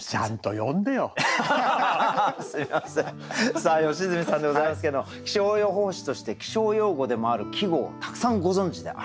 さあ良純さんでございますけれども気象予報士として気象用語でもある季語をたくさんご存じであるというね。